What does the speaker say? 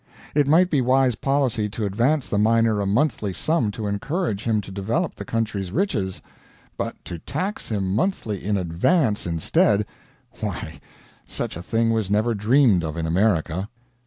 It might be wise policy to advance the miner a monthly sum to encourage him to develop the country's riches; but to tax him monthly in advance instead why, such a thing was never dreamed of in America.